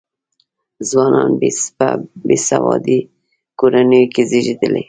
ځوانان په بې سواده کورنیو کې زېږېدل.